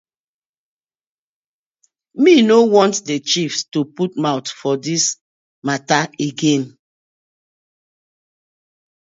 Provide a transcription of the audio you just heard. We no want the chiefs to put mouth for dis matta again.